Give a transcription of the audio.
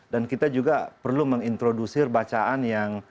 dan kita juga perlu mengintroduce bacaan yang